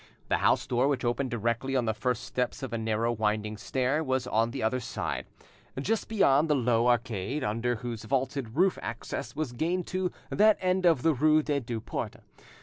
The house door, which opened directly on the first steps of a narrow winding stair, was on the other side, just beyond the low arcade under whose vaulted roof access was gained to that end of the rue des Deux Portes.